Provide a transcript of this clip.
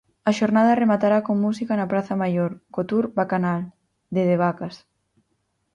A xornada rematará con música na Praza Maior co Tour Vacanal, de De Vacas.